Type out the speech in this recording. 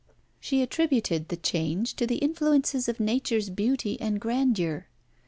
She attributed the change to the influences of nature's beauty and grandeur.